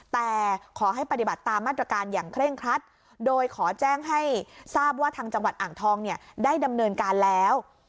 แต่ขอให้ปฏิบัติตามมาตรการอย่างเคร่งครัดโดยขอแจ้งให้ทราบว่าทางจังหวัดอ่างทองเนี่ยได้ดำเนินการแล้ว